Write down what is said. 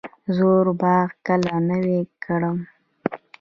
زوړ باغ کله نوی کړم؟